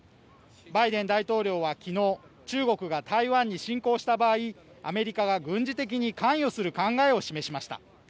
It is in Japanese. バイデン大統領は昨日中国が台湾に侵攻した場合アメリカは軍事的に関与する考えを示しました。